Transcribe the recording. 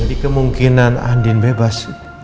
jadi kemungkinan andin bebas